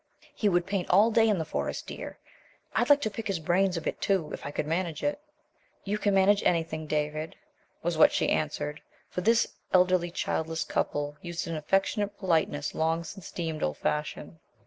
"He would paint all day in the Forest, dear. I'd like to pick his brains a bit, too, if I could manage it." "You can manage anything, David," was what she answered, for this elderly childless couple used an affectionate politeness long since deemed old fashioned.